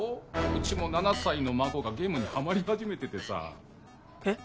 うちも７歳の孫がゲームにハマり始めててさえっ？